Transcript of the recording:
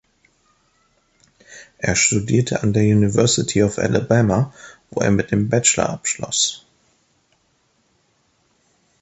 Er studierte an der University of Alabama, wo er mit dem Bachelor abschloss.